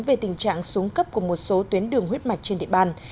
về tình trạng xuống cấp của một số tuyến đường huyết mạch trên địa bàn